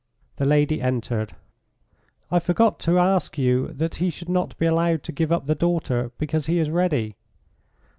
The lady entered. "I forgot to ask you that he should not be allowed to give up the daughter, because he is ready